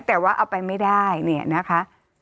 แต่ว่าเอาไปไม่ได้เนี่ยนะคะ